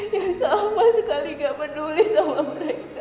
ya sama sekali gak peduli sama mereka